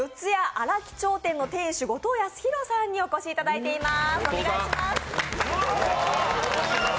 荒木町の店主後藤康浩さんにお越しいただいています。